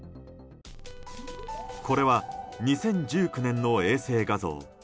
これは２０１９年の衛星画像。